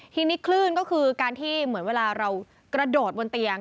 ทีนี้คลื่นก็คือการที่เหมือนเวลาเรากระโดดบนเตียง